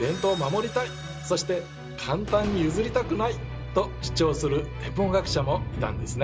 そして「簡単に譲りたくない！」と主張する天文学者もいたんですね。